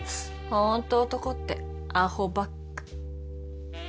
ホント男ってアホばっか。